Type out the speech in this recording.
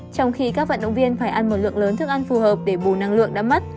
trong khi các vận động viên phải ăn một lượng lớn thức ăn phù hợp để bù năng lượng đã mất